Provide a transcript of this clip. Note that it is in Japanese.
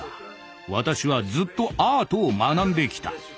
私はずっとアートを学んできた。